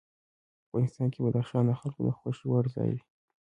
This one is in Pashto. افغانستان کې بدخشان د خلکو د خوښې وړ ځای دی.